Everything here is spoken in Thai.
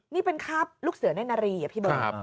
นี่เป็นคาบลูกเสือเน่นนารีอะพี่เบิร์ต